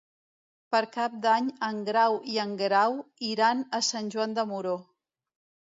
Per Cap d'Any en Grau i en Guerau iran a Sant Joan de Moró.